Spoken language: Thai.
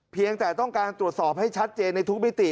เพียงแต่ต้องการตรวจสอบให้ชัดเจนในทุกมิติ